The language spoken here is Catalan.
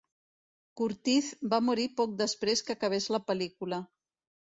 Curtiz va morir poc després que acabés la pel·lícula.